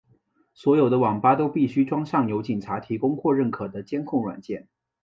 所有的网吧都必须装上由警察提供或认可的监控软件。